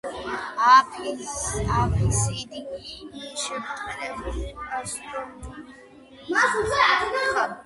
აფსიდი შებრტყელებულია, პასტოფორიუმები სწორკუთხა.